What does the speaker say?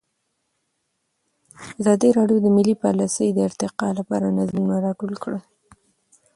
ازادي راډیو د مالي پالیسي د ارتقا لپاره نظرونه راټول کړي.